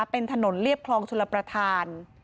เป็นถนนเรียบคลองชลประธาน